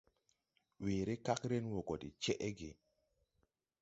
Weere kagren wɔ de cɛʼge.